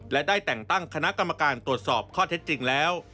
และได้แต่งตั้งคณะกรรมการตรวจสอบข้อเท็จจริงแล้ว